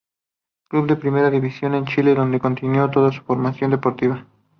Club de primera división de Chile donde continuó toda su formación deportiva.